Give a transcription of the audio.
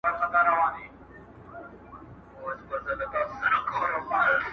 د دروازې پر سر یې ګل کرلي دینه!.